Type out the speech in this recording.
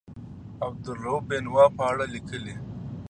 عبدالرؤف بېنوا په دې اړه لیکي.